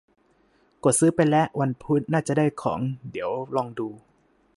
กดซื้อไปละ วันพุธน่าจะได้ของ เดี๋ยวลองดู